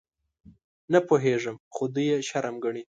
_نه پوهېږم، خو دوی يې شرم ګڼي.